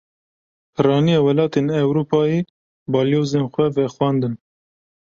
Piraniya welatên Ewropayê, balyozên xwe vexwendin